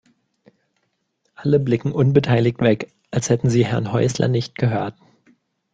Alle blicken unbeteiligt weg, als hätten sie Herrn Häusler nicht gehört.